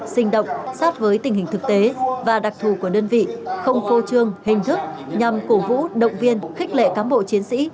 sinh động sát với tình hình thực tế và đặc thù của đơn vị không phô trương hình thức nhằm cổ vũ động viên khích lệ cán bộ chiến sĩ